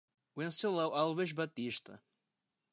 Wencelau Alves Batista